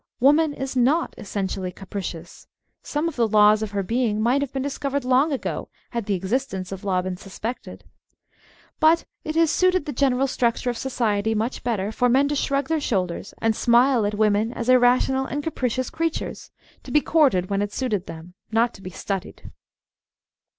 Woman is not essen tially capricious; some of the laws of her being might have been discovered long ago had the existence of law been suspected. But it has suited the general structure of society much better for men to shrug Woman's "Contrariness" ^9 their shoulders and smile at women as irrational and capricious creatures, to be courted when it suited them, not to be studied.